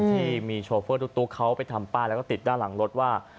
ที่มีโชเฟอร์ตุ๊กเขาไปทำป้ายแล้วก็ติดด้านหลังรถว่า